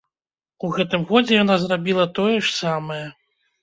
У гэтым годзе яна зрабіла тое ж самае.